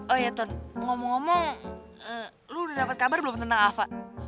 oh iya tuan ngomong ngomong lu udah dapat kabar belum tentang alva